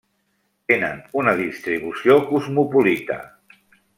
Tenen una distribució cosmopolita.